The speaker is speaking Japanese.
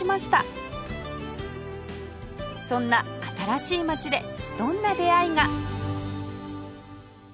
そんな新しい街でどんな出会いが？